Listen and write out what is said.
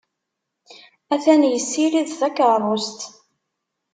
Atan yessirid takeṛṛust.